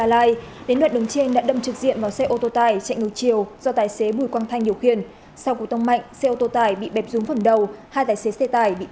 hãy đăng ký kênh để nhận thông tin nhất